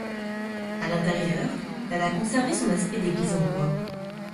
À l'intérieur, elle a conservé son aspect d'église en bois.